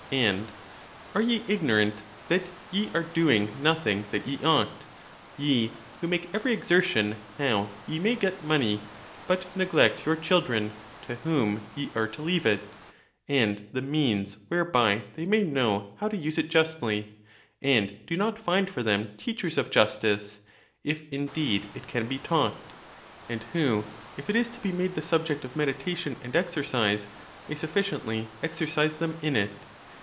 And —Are ye ignorant, that ye are doing nothing that ye ought, ye, who make every exertion how ye may get money, but neglect your children, to whom ye are to leave it, and the means whereby they may know how to use it justly; and do not find for them teachers of justice, if indeed it can be taught,' and who, if it is to be made the subject of meditation and exercise, may suffi ciently exercise them in it.